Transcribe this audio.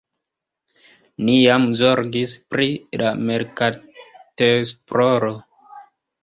Ni jam zorgis pri la merkatesploro.